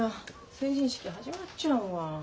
成人式始まっちゃうわ。